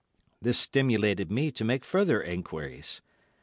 This stimulated me to make further enquiries.